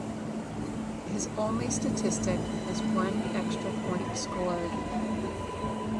His only statistic was one extra point scored.